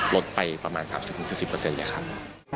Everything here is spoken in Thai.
ลดไปประมาณ๓๐๔๐เลยครับ